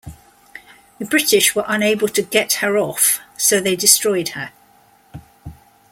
The British were unable to get her off so they destroyed her.